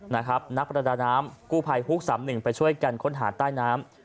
นะครับนักปรดน้ำน้ำกูพัยฮุกสำนึงไปช่วยกันค้นหาใต้น้ำ